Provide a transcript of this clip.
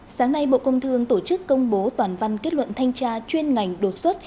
sáng nay bộ công thương tổ chức công bố toàn văn kết luận thanh tra chuyên ngành đột xuất